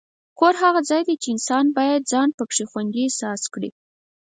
کور هغه ځای دی چې انسان باید پکې ځان خوندي احساس کړي.